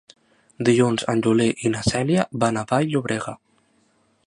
Dilluns en Juli i na Cèlia van a Vall-llobrega.